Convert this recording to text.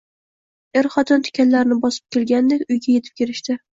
Er-xotin tikanlarni bosib kelgandek uyga etib kelishdi